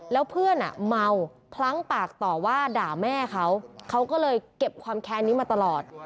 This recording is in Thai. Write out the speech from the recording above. แล้วเพื่อนเมาพลั้งปากต่อว่าด่าแม่เขาเขาก็เลยเก็บความแค้นนี้มาตลอด